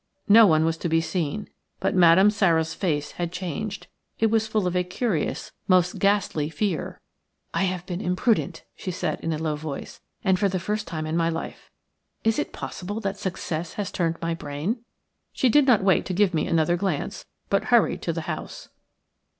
No one was to be seen. But Madame Sara's face had changed. It was full of a curious, most ghastly fear. "I have been imprudent," she said, in a low voice, "and for the first time in my life. Is it possible that success has turned my brain?" She did not wait to give me another glance, but hurried to the house.